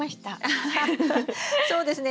そうですね